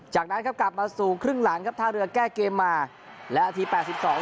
จากนั้นครับกลับมาสู่ครึ่งหลังครับท่าเรือแก้เกมมาและนาทีแปดสิบสอง